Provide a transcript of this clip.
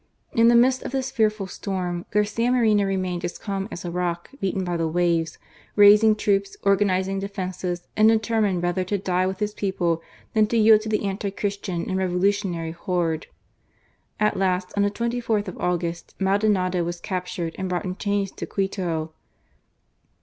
In the midst of this fearful storm, Garcia Moreno remained as calm as a rock beaten by the waves, raising troops, organizing defences, and determined rather to die with his people than to yield to the anti Christian and revolutionary horde. At last, on the 24th of August, Maldonado was captured and brought in chains to Quito.